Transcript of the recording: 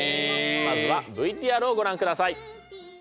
まずはＶＴＲをご覧ください。